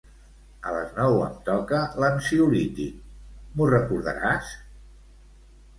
A les nou em toca l'ansiolític, m'ho recordaràs?